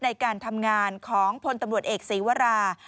ในการทำงานของพลตำรวจเอกศีวรา